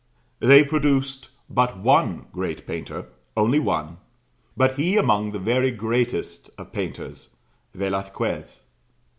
They produced but one great painter, only one; but he among the very greatest of painters, Velasquez.